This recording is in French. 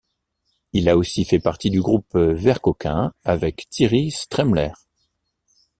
Il a aussi fait partie du groupe Vercoquin, avec Thierry Stremler.